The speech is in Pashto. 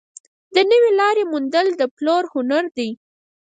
د نوې لارې موندل د پلور هنر دی.